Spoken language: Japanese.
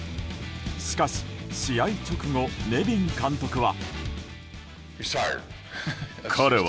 しかし、試合直後ネビン監督は。